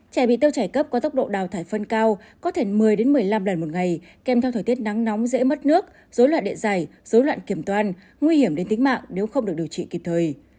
trẻ bị tiêu chảy cấp có tốc độ đào thải phân cao có thể một mươi một mươi năm lần một ngày kèm theo thời tiết nắng nóng dễ mất nước dối loạn đệ giày dối loạn kiểm toán nguy hiểm đến tính mạng nếu không được điều trị kịp thời